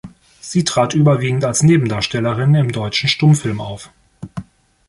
Sie trat überwiegend als Nebendarstellerin im deutschen Stummfilm auf.